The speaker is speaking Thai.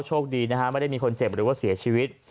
โชคดีไม่ได้มีคนเจ็บหรือเสียชีวิต